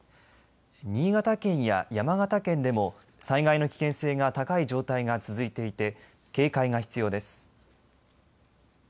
新潟県や山形県でも災害の危険性が高い状態が続いていて警戒が必要です。